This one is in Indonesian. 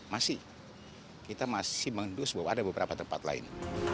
masih kita masih mengendus bahwa ada beberapa tempat lain